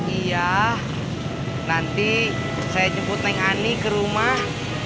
iya nanti saya jemput neng ani ke rumah